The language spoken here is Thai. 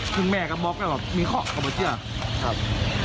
คือแม่ก็บอกกันว่ามีข้อกับบัตรเชื่อครับ